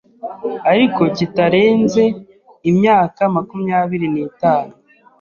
ariko kitarenze imyaka makumyabiri n’itanu.